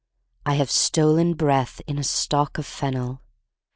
I have stolen breath In a stalk of fennel!